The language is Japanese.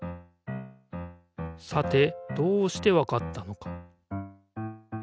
さてどうしてわかったのか？